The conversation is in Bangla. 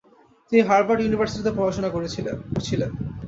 তিনি হার্ভার্ড ইউনিভার্সিটিতে পড়াশুনা করছিলেন।